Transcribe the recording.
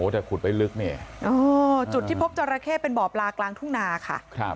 แต่ขุดไว้ลึกเนี่ยจุดที่พบจราเข้เป็นบ่อปลากลางทุ่งนาค่ะ